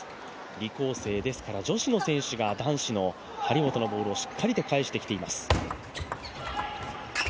李皓晴、女子の選手が男子の張本のボールをしっかりと返してきています。